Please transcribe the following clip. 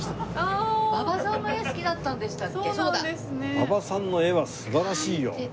馬場さんの絵は素晴らしいよ。